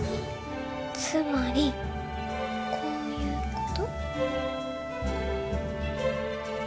つまりこういうこと？